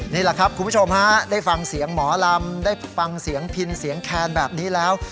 นี่แหละครับคุณผู้ชมฮะได้ฟังเสียงหมอลำได้ฟังเสียงพินเสียงแคนแบบนี้แล้ว